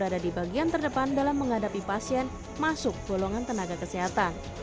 berada di bagian terdepan dalam menghadapi pasien masuk golongan tenaga kesehatan